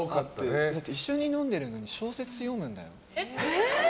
だって一緒に飲んでるのに小説読むんだよ。